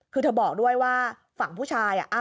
คือเธอบอกด้วยว่าฝั่งผู้ชายอ่ะอ้ำอ่ะ